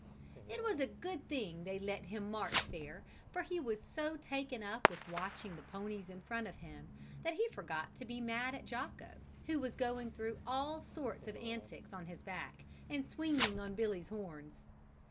It was a good thing they let him march there for he was so taken up with watching the ponies in front of him that he forgot to be mad at Jocko, who was going through all sorts of antics on his back and swinging on Billy's horns.